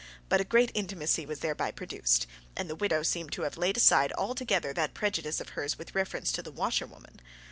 But a great intimacy was thereby produced, and the widow seemed to have laid aside altogether that prejudice of hers with reference to the washerwoman.